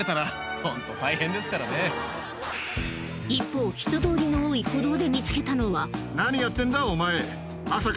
一方人通りの多い歩道で見つけたのはまさか。